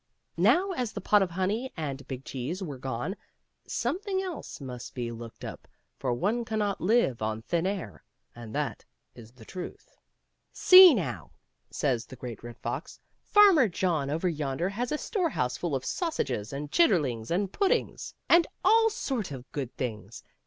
Now, as the pot of honey and big cheese were gone, something else must be looked up, for one cannot live on thin air, and that is the truth. " See, now," says the Great Red Fox, " Farmer John over yonder has a storehouse full of sausages and chitterlings and puddings, and all sort '^Iftf^t tM» fktlftt ^tmtn%ttnnff»ttftyi of good things.